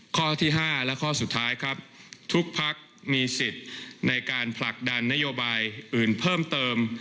ข้อที่๕และข้อสุดท้ายครับทุกพักมีสิทธิ์ในการผลักดันนโยบายอื่นเพิ่มเติม